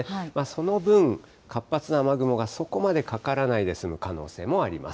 その分、活発な雨雲がそこまでかからない可能性もあります。